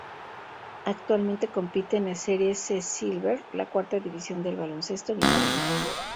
Actualmente compite en la Serie C Silver, la cuarta división del baloncesto en Italia.